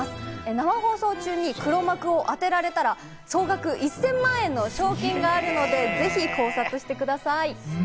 生放送中に黒幕を当てられたら、総額１０００万円の賞金があるので、ぜひ考察してください。